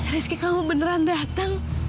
rizky kamu beneran datang